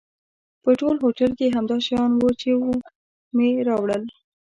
په ټول هوټل کې همدا شیان و چې مې راوړل.